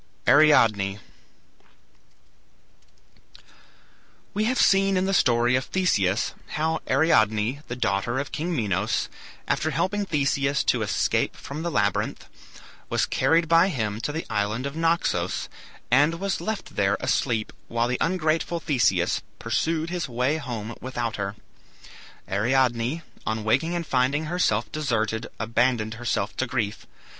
ARIADNE We have seen in the story of Theseus how Ariadne, the daughter of King Minos, after helping Theseus to escape from the labyrinth, was carried by him to the island of Naxos and was left there asleep, while the ungrateful Theseus pursued his way home without her. Ariadne, on waking and finding herself deserted, abandoned herself to grief.